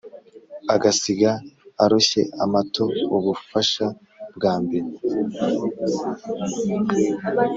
agasiga aroshye amato ubufasha bwambere